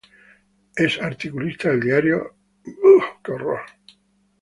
Es articulista del diario "La Razón".